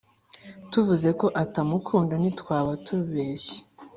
tuvuze ko atamukunda ntitwaba tubeshye